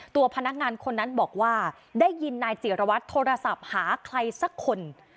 ตัวพนักงานคนนั้นบอกว่าได้ยินนายจิรวัตรโทรศัพท์หาใครสักคน